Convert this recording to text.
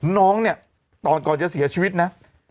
น้องตอนก่อนจะเสียชีวิตนะ